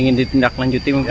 ingin ditindak lanjuti mungkin